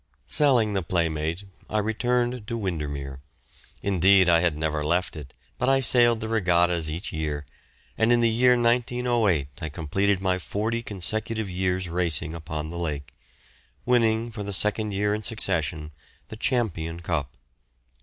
Selling the "Playmate," I returned to Windermere; indeed I had never left it, but sailed the regattas each year, and in the year 1908 I completed my forty consecutive years' racing upon the lake, winning, for the second year in succession, the Champion Cup.